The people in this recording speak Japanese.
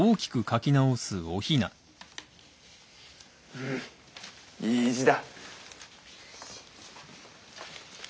うんいい字だ！